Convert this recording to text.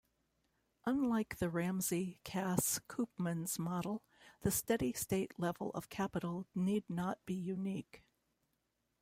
Unlike the Ramsey-Cass-Koopmans model the steady state level of capital need not be unique.